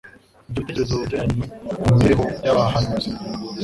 Ibyo bitekerezo byayanywe mu mibereho y'abahanuzi